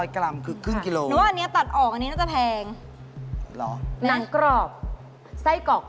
๕๐๐กรัมคือคือครึ่งกิโลรอ